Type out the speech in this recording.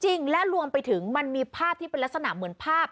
จริงและรวมไปถึงมันมีภาพที่เป็นลักษณะเหมือนภาพ